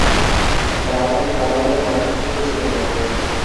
Runway কালো এবং অদ্ভুত হিসেবে চিহ্নিত।